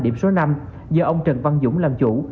điểm số năm do ông trần văn dũng làm chủ